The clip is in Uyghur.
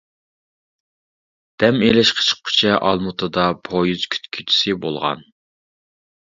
دەم ئېلىشقا چىققۇچە ئالمۇتىدا پويىز كۈتكۈچىسى بولغان.